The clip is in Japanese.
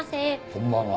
こんばんは。